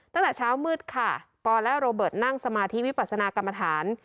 ตั้งแต่เช้ามืดค่ะปอและโรเบิร์ตนั่งสมาธิวิปัสนากรรมฐาน